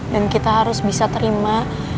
dan kita harus bisa terima